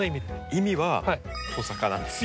意味は「トサカ」なんですよ。